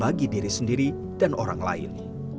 bagi diri sendiri dan orang lain